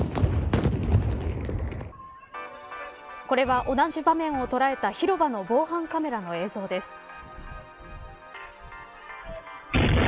これは同じ場面を捉えた広場の防犯カメラの映像です。